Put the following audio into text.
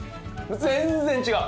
全然違う！